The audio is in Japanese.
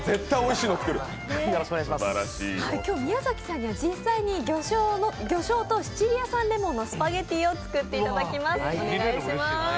宮崎さんには実際に魚醤とシチリア産レモンのスパゲティを作っていただきます。